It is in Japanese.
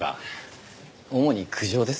主に苦情ですよ。